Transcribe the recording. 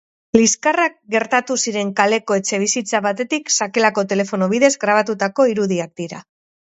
Liskarrak gertatu ziren kaleko etxebizitza batetik sakelako telefono bidez grabatutako irudiak dira.